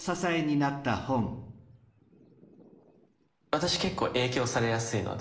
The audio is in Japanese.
私結構影響されやすいので。